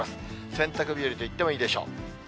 洗濯日和といってもいいでしょう。